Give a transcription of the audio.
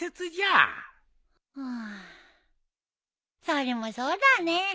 それもそうだね。